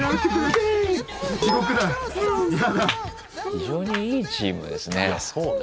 非常にいいチームですね。